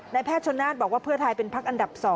แพทย์ชนนาฏบอกว่าเพื่อไทยเป็นพักอันดับ๒